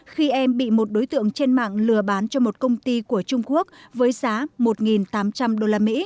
khi em bị một đối tượng trên mạng lừa bán cho một công ty của trung quốc với giá một tám trăm linh usd